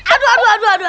aduh aduh aduh aduh